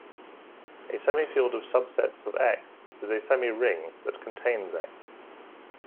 A semi-field of subsets of "X" is a semi-ring that contains "X".